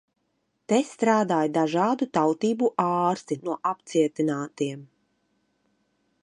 Te strādāja dažādu tautību ārsti no apcietinātiem.